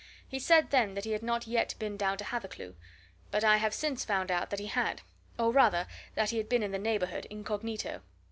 He said then that he had not yet been down to Hathercleugh; but I have since found out that he had or, rather, that he had been in the neighbourhood, incognito.